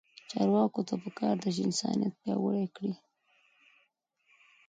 چارواکو ته پکار ده چې، انسانیت پیاوړی کړي.